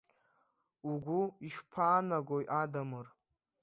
Угәы ишԥаанагои, Адамыр?